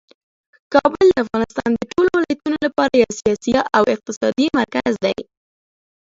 کابل د افغانستان د ټولو ولایتونو لپاره یو سیاسي او اقتصادي مرکز دی.